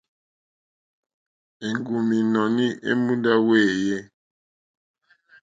Èŋgúm ínɔ̀ní èmùndá wéèyé.